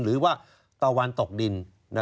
หรือว่าตะวันตกดิน